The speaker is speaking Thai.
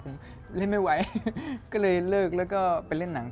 ตอนแรกยาวกว่านี้แล้วเพิ่งตัดได้๒อาทิตย์มั้งค่ะ